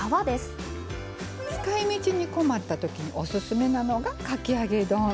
使いみちに困った時おすすめなのが「かき揚げ丼」。